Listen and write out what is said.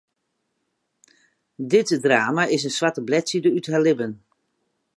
Dit drama is in swarte bledside út har libben.